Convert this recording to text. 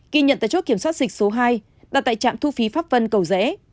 khi nhận tới chốt kiểm soát dịch số hai đặt tại trạm thu phí pháp vân cầu dễ